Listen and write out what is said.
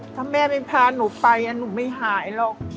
ถ้าแม่ไม่พาหนูไปหนูไม่หายหรอก